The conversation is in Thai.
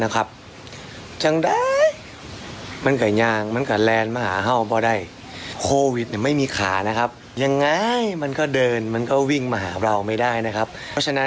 เออผู้ชายนี่นะเพราะเวลาเขาอยู่อย่างนี้นะหลายคนมากเลยนะหนวดเข้าปล่อยกันแบบว่า